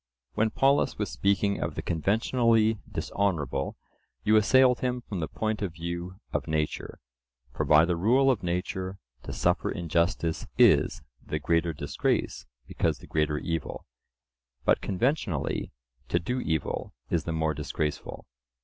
When Polus was speaking of the conventionally dishonourable, you assailed him from the point of view of nature; for by the rule of nature, to suffer injustice is the greater disgrace because the greater evil; but conventionally, to do evil is the more disgraceful.